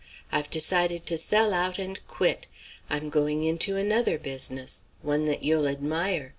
I've decided to sell out and quit. I'm going into another business, one that you'll admire.